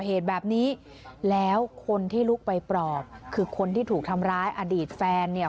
เหตุแบบนี้แล้วคนที่ลุกไปปลอบคือคนที่ถูกทำร้ายอดีตแฟนเนี่ย